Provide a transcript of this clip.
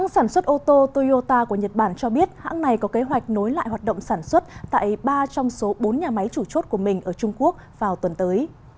sản xuất ô tô toyota của nhật bản cho biết hãng này có kế hoạch nối lại hoạt động sản xuất tại ba trong số bốn nhà máy chủ chốt của mình ở trung quốc vào tuần tới